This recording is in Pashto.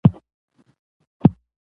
ترکیب مانا پیاوړې کوي.